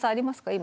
今。